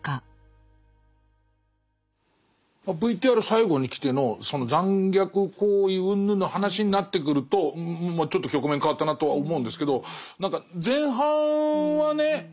ＶＴＲ最後にきてのその残虐行為うんぬんの話になってくるとまあちょっと局面変わったなとは思うんですけど前半はね